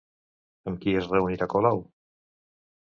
Amb qui es reunirà Colau?